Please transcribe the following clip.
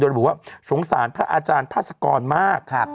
ระบุว่าสงสารพระอาจารย์พาสกรมาก